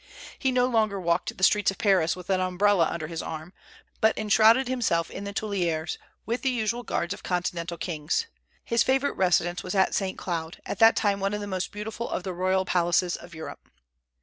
He no longer walked the streets of Paris with an umbrella under his arm, but enshrouded himself in the Tuileries with the usual guards of Continental kings. His favorite residence was at St. Cloud, at that time one of the most beautiful of the royal palaces of Europe.